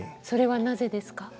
それはなぜですか？